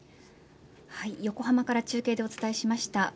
横浜から中継でお伝えしました。